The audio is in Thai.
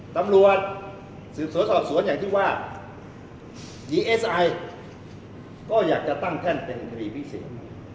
ตำรวจสืบสวนสอบสวนอย่างที่ว่าดีเอสไอก็อยากจะตั้งแท่นเป็นคดีพิเศษ